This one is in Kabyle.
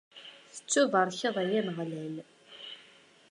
Tettubarkeḍ, ay Ameɣlal!